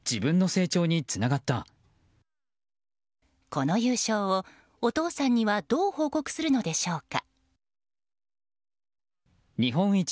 この優勝をお父さんにはどう報告するのでしょうか。